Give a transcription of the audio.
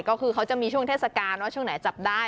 ก็คือเขาจะมีช่วงเทศกาลว่าช่วงไหนจับได้